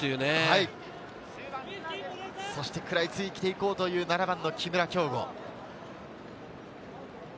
食らいついていこうという７番の木村匡吾。